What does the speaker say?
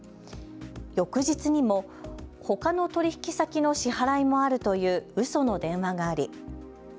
翌日にも、ほかの取引先の支払いもあるといううその電話があり。